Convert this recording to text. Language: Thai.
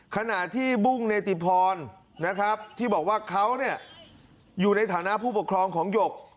ขณะที่บุ้งเนติพรนะครับที่บอกว่าเขาอยู่ในฐานะผู้ปกครองของหยก